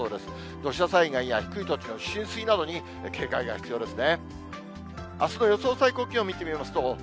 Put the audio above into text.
土砂災害や低い土地の浸水などに警戒が必要ですね。